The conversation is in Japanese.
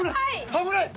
危ない！